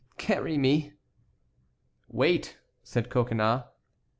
Carry me!" "Wait," said Coconnas.